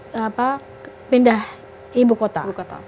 kenapa pindah ibu kota